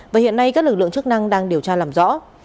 và hiện nay các lực lượng chức năng đang điều tra làm rõ